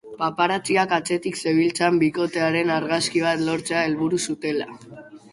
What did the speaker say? Paparazziak atzetik zebiltzan bikotearen argazki bat lortzea helburu zutela.